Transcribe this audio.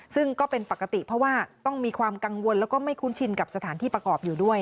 ซึ่งก็เป็นปกติเพราะว่าต้องมีความกังวลแล้วก็ไม่คุ้นชินกับสถานที่ประกอบอยู่ด้วย